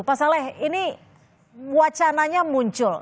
pak saleh ini wacananya muncul